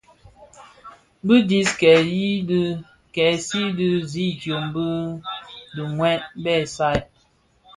Bi dhi kèsi di zidyōm di dhiňwê bè saad.